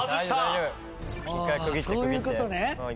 ああそういう事ね。